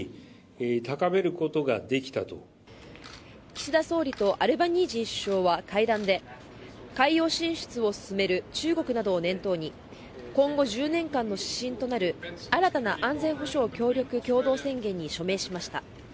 岸田総理とアルバニージー首相は会談で海洋進出を強める中国などを念頭に今後１０年間の指針となる新たな安全保障協力共同宣言に署名しました。